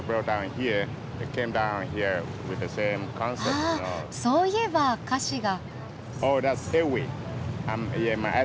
ああそういえば歌詞が。